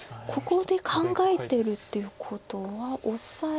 ここで考えてるっていうことはオサエ。